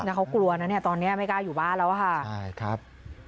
แล้วเขากลัวนะเนี่ยตอนนี้ไม่กล้าอยู่บ้านแล้วค่ะใช่ครับ